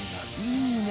いいね！